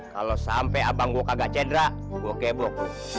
kalau sampai abang gue kagak cedera gue kebok